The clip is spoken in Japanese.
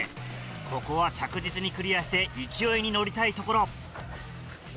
ここは着実にクリアして勢いに乗りたいところ。